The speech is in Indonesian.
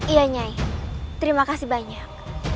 iya nyai terima kasih banyak